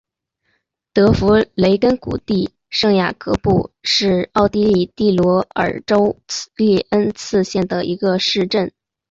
德弗雷根谷地圣雅各布是奥地利蒂罗尔州利恩茨县的一个市镇。